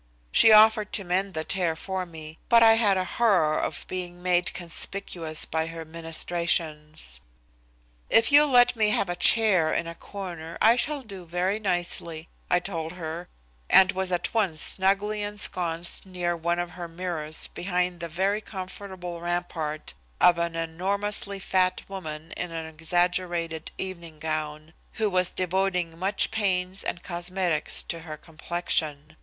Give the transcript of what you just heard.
She offered to mend the tear for me, but I had a horror of being made conspicuous by her ministrations. "If you'll let me have a chair in a corner I shall do very nicely," I told her, and was at once snugly ensconced near one of her mirrors behind the very comfortable rampart of an enormously fat woman in an exaggerated evening gown, who was devoting much pains and cosmetics to her complexion.